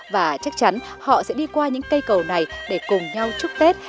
và chắc chắn họ sẽ đi qua những cây cầu này để cùng nhau chúc tết